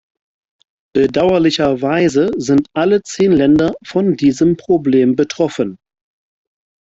Bedauerlicherweise sind alle zehn Länder von diesem Problem betroffen.